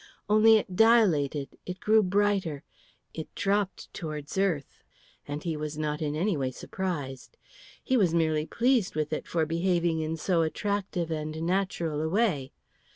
Only it dilated, it grew brighter, it dropped towards earth, and he was not in any way surprised. He was merely pleased with it for behaving in so attractive and natural a way.